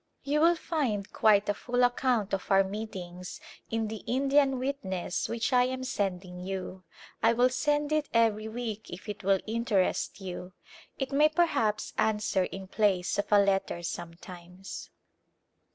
You will find quite a full account of our meetings in the Indian Witness which I am sending you. I will send it every week if it will interest you. It may perhaps answer in place of a letter sometimes.